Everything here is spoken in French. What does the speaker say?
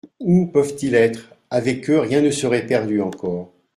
Où peuvent-ils être ? Avec eux, rien ne serait perdu encore.